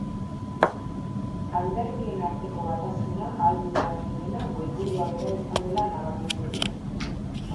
Alderdien arteko batasuna ahalbideratu duena goiburua bera izan dela nabarmendu du.